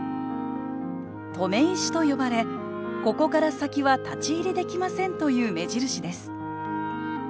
留め石と呼ばれここから先は立ち入りできませんという目印です。